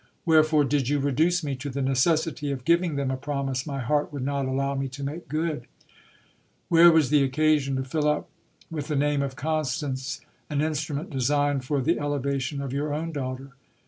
Wherefore did you reduce me to the necessity of giving them a promise my heart would not allow me to make good ? Where was the occasion to fill up with the name of Constance an instrument designed for the elevation of your own daughter